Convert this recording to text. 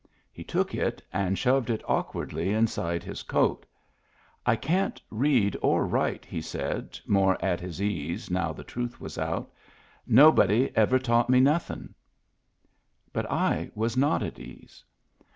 He took it and shoved it awkwardly inside his coat. " I can't read or write," he said, more at his ease now the truth was out " Nobody ever taught me nothin'." But I was not at ease.